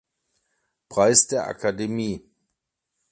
Preis der Akademie.